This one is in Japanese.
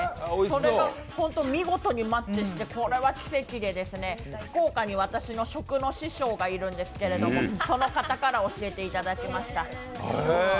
それがホント、見事にマッチして、これは奇跡で、福岡に私の食の師匠がいるんですけれども、その方から教えていただきました。